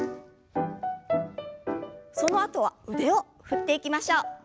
そのあとは腕を振っていきましょう。